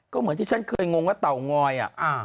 ก็เหมือนที่ฉันเคยงงว่าเต๋อง้อยอ่ะอ่า